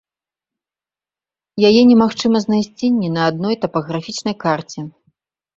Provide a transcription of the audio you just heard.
Яе немагчыма знайсці ні на адной тапаграфічнай карце.